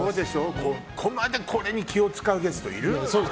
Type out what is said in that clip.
ここまでこれに気を遣うゲストいる？